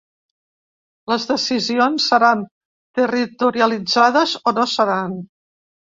Les decisions seran territorialitzades o no seran.